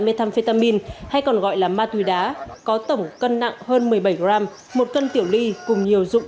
methamphetamin hay còn gọi là ma túy đá có tổng cân nặng hơn một mươi bảy g một cân tiểu ly cùng nhiều dụng